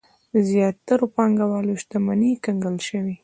د زیاترو پانګوالو شتمنۍ کنګل شوې.